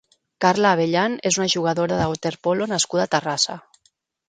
Carla Abellan és una jugadora de waterpolo nascuda a Terrassa.